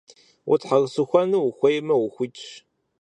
Утхьэусыхэну ухуеймэ, ухуитщ.